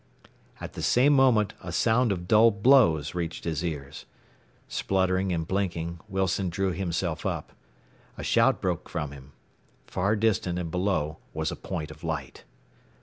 At the same moment a sound of dull blows reached his ears. Spluttering and blinking, Wilson drew himself up. A shout broke from him. Far distant and below was a point of light.